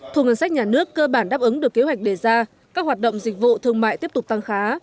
thu ngân sách nhà nước cơ bản đáp ứng được kế hoạch đề ra các hoạt động dịch vụ thương mại tiếp tục tăng khá